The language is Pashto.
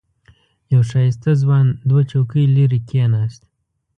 یو ښایسته ځوان دوه چوکۍ لرې کېناست.